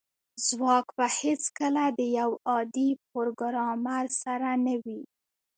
ځواک به هیڅکله د یو عادي پروګرامر سره نه وي